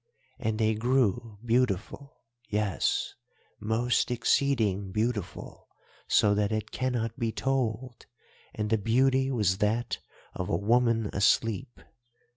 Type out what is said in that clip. And they grew beautiful, yes, most exceeding beautiful so that it cannot be told, and the beauty was that of a woman asleep.